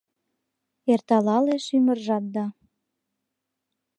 Эрталалеш ӱмыржат да